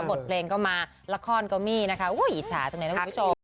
บทเพลงก็มาละครก็มีนะคะอิจฉาจังเลยนะคุณผู้ชม